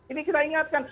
ini kita ingatkan